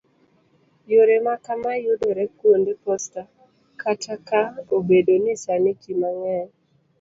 yore ma kamaa yudore kwonde posta, kata ka obedo ni sani ji mang'eny